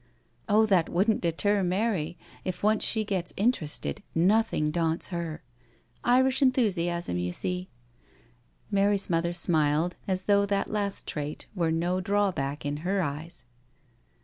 " Oh, that wouldn't deter Mary, if once she gets interested nothing daunts her, Irish enthusiasm, you see.'* Mary's mother smiled, as though that last trait were no drawback in her eyes.